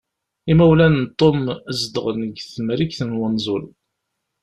Imawlan n Tom zedɣen deg temrikt n unẓul.